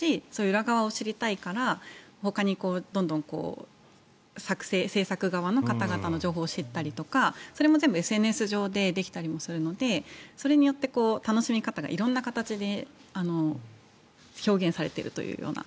裏側を知りたいからほかにどんどん制作側の方々の情報を知ったりとか、それも全部ＳＮＳ上でできたりもするのでそれによって楽しみ方が色んな形で表現されているというような。